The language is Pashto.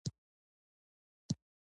نجلۍ نرم مزاجه ده.